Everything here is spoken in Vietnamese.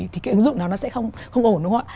thì cái ứng dụng đó nó sẽ không ổn đúng không ạ